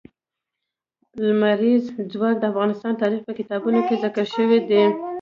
لمریز ځواک د افغان تاریخ په کتابونو کې ذکر شوی دي.